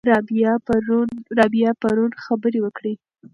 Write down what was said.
رابعه پرون خبرې وکړې.